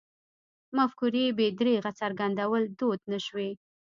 مفکورې بې درېغه څرګندول دود نه شوی.